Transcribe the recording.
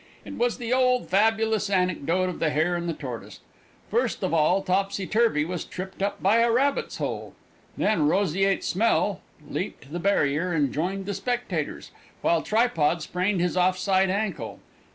It was the old fabulous anecdote of the Hare and the Tortoise. First of all, Topsy Turvey was tripped up by a rabbit's hole; then Roseate Smell leaped the barrier and joined the spectators, while Tripod sprained his offside ankle.